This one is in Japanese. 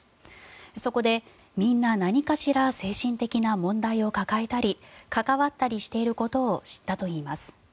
そこで、みんな何かしら精神的な問題を抱えたり関わったりしていることを知ったといいます。